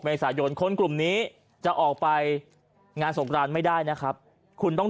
เมษายนคนกลุ่มนี้จะออกไปงานสงกรานไม่ได้นะครับคุณต้อง